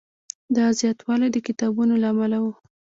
دا زیاتوالی د کتابونو له امله و.